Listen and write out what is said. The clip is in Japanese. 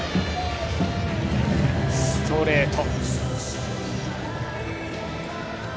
ストレート。